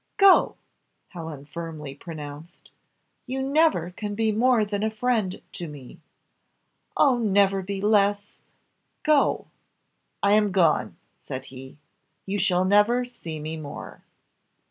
"Go!" Helen firmly pronounced. "You never can be more than a friend to me! Oh never be less! go!" "I am gone," said he, "you shall never see me more."